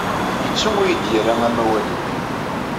Yettu ur yi-d-yerra amawal-iw.